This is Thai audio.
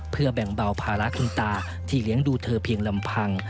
เพื่อแบ่งเบาภาระคุณตาที่เลี้ยงดูเธอเพียงลำพัง